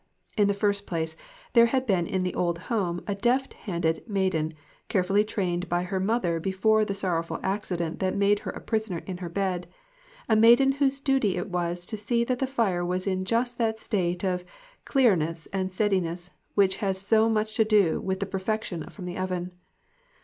In the first place, there had been in the old home a deft handed maiden, carefully trained by the mother before the sorrowful accident that made her a prisoner in her bed ; a maiden whose duty it was to see that the fire was in just that state of clearness and steadiness which has so much to do with perfection from the oven.